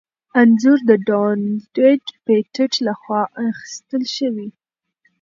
انځور د ډونلډ پېټټ لخوا اخیستل شوی.